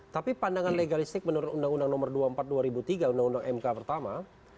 tapi pandangan legalistik menurut undang undang nomor dua puluh empat dua ribu tiga undang undang mk pertama